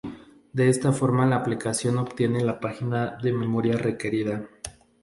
De esta forma la aplicación obtiene la página de memoria requerida.